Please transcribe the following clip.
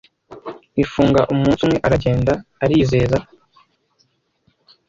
ifunga umunsi umwe aragenda arizeza